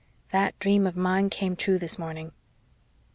That dream of mine came true this morning."